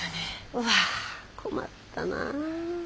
うわあ困ったな。